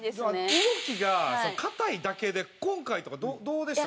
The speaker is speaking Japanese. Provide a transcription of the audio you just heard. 動きが硬いだけで今回とかどうでした？